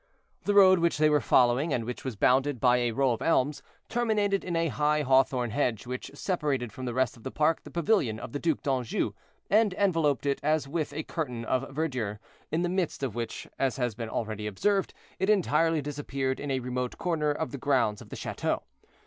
The road which they were following, and which was bounded by a row of elms, terminated in a high hawthorn hedge, which separated from the rest of the park the pavilion of the Duc d'Anjou, and enveloped it as with a curtain of verdure, in the midst of which, as has been already observed, it entirely disappeared in a remote corner of the grounds of the chateau.